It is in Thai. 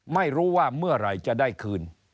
ไม่รู้ว่าเมื่อไหร่จะได้คืน